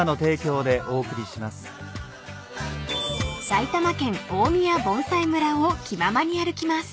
［埼玉県大宮盆栽村を気ままに歩きます］